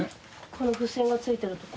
この付箋が付いてるところ？